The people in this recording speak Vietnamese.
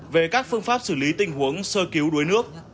về các phương pháp xử lý tình huống sơ cứu đuối nước